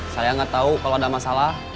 saya nggak tahu kalau ada masalah